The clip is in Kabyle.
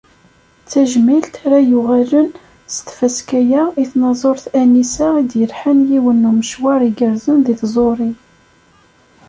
D tajmilt ara yuɣalen s tfaska-a i tnaẓurt Anissa i d-yelḥan yiwen n umecwar igerrzen di tẓuri.